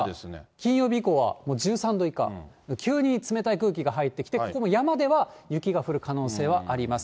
金曜日以降は１３度以下、急に冷たい空気が入ってきて、山では雪が降る可能性はあります。